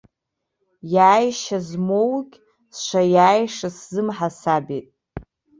Иааишьа змоугь сшаиааиша сзымҳасабит.